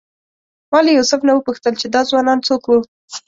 ما له یوسف نه وپوښتل چې دا ځوانان څوک وو.